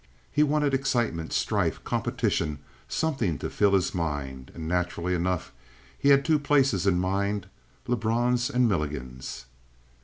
He wanted excitement, strife, competition; something to fill his mind. And naturally enough he had two places in mind Lebrun's and Milligan's.